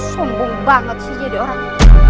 sumbung banget sih jadi orang